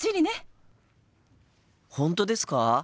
本当ですか？